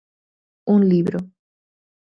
Un libro.